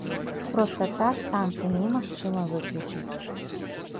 Проста так станцыю немагчыма выключыць.